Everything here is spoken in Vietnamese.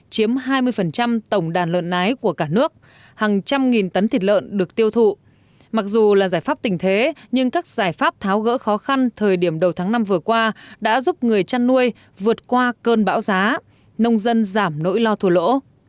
chiếm hai mươi tổng đàn lợn nái của cả nước hàng trăm nghìn tấn thịt lợn được tiêu thụ mặc dù là giải pháp tình thế nhưng các giải pháp tháo gỡ khó khăn thời điểm đầu tháng năm vừa qua đã giúp người chăn nuôi vượt qua cơn bão giá nông dân giảm nỗi lo thua lỗ